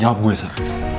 jawab gue sir